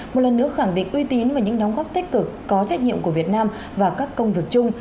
một lần nữa khẳng định uy tín và những đóng góp tích cực có trách nhiệm của việt nam vào các công việc chung